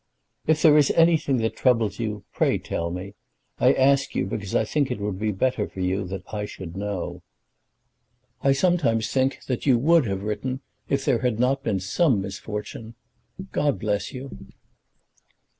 If there is anything that troubles you, pray tell me. I ask you because I think it would be better for you that I should know. I sometimes think that you would have written if there had not been some misfortune. God bless you.